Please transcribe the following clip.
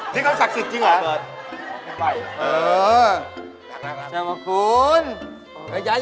นี่เขาศักดิ์สิทธิ์จริงเหรอ